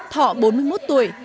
thọ bốn mươi một tuổi